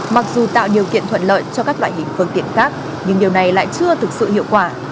mặc dù tạo điều kiện thuận lợi cho các loại hình phương tiện khác nhưng điều này lại chưa thực sự hiệu quả